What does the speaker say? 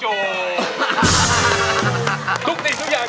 ร้องได้ให้ร้าน